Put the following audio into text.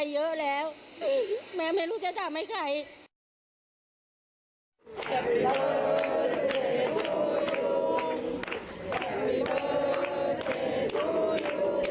เยอะแล้วแม่ไม่รู้จะทำให้ใคร